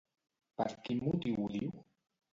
Per quin motiu ho diu?